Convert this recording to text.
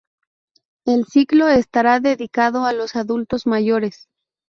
El ciclo estará dedicado a los adultos mayores.